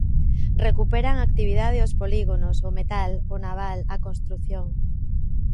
Recuperan a actividade os polígonos, o metal, o naval, a construción...